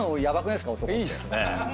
いいっすね。